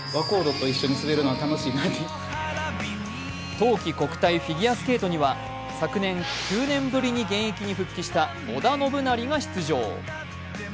冬季国体フィギュアスケートには昨年９年ぶりに現役に復帰した織田信成が出場。